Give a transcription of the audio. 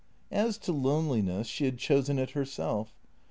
As to loneliness, she had chosen it herself.